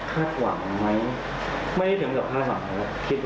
คาดหวังมั้ยไม่ได้ถึงกับ๕๖ปีแล้ว